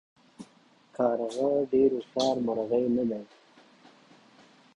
کارغه ډیر هوښیار مرغه دی